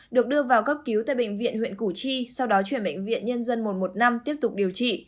được đưa vào cấp cứu tại bệnh viện huyện củ chi sau đó chuyển bệnh viện nhân dân một trăm một mươi năm tiếp tục điều trị